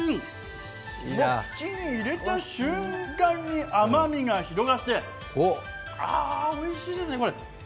口に入れた瞬間に甘みが広がって、あー、おいしいですね。